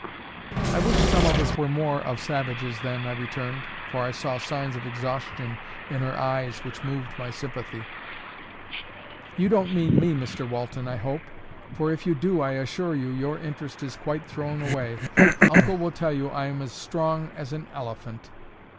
"I wish some of us were more of savages, then," I returned; for I saw signs of exhaustion in her eyes which moved my sympathy. "You don't mean me, Mr Walton, I hope. For if you do, I assure you your interest is quite thrown away. Uncle will tell you I am as strong as an elephant."